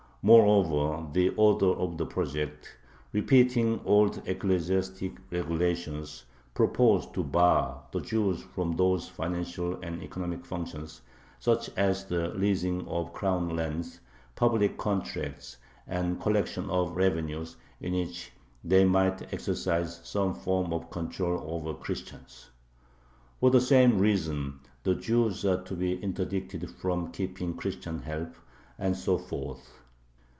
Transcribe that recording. Moreover, the author of the project, repeating the old ecclesiastic regulations, proposes to bar the Jews from those financial and economic functions, such as the leasing of crown lands, public contracts, and collection of revenues, in which they might exercise some form of control over Christians. For the same reason the Jews are to be interdicted from keeping Christian help, and so forth.